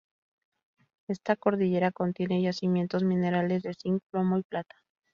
Esta cordillera contiene yacimientos minerales de zinc, plomo y plata.